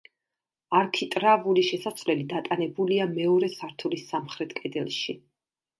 არქიტრავული შესასვლელი დატანებულია მეორე სართულის სამხრეთ კედელში.